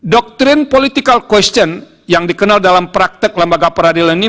doktrin political question yang dikenal dalam praktek lembaga peradilan ini